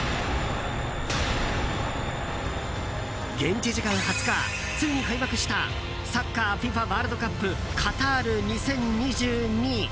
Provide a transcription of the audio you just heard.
現地時間２０日ついに開幕したサッカーＦＩＦＡワールドカップカタール２０２２。